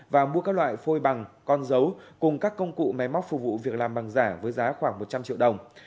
và mua các loại phôi bằng con dấu cùng các công cụ máy móc phục vụ việc làm bằng giả với giá khoảng một trăm linh triệu đồng